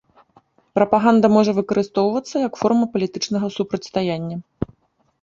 Прапаганда можа выкарыстоўвацца як форма палітычнага супрацьстаяння.